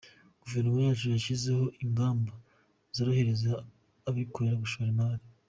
Guverinoma yacu yashyizeho ingamba zorohereza abikorera gushora imari.